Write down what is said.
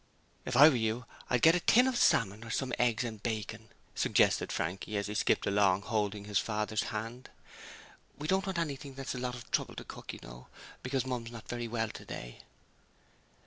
'If I were you, I'd get a tin of salmon or some eggs and bacon,' suggested Frankie as he skipped along holding his father's hand. 'We don't want anything that's a lot of trouble to cook, you know, because Mum's not very well today.'